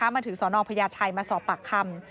มาถือสอนองภรรยาไทยมาสอบปากคำ